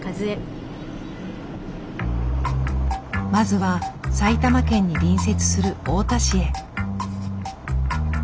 まずは埼玉県に隣接する太田市へ。